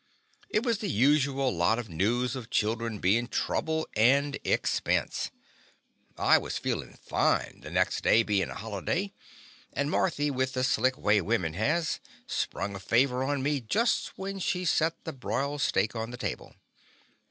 It was the usual lot of news of children bein' trouble and expense. I was feelin' fine, the next day bein' a holiday, and Marthy, with the slick way women has, sprung a favor on me The Confessions of a Daddy just when she set the broiled steak on the table.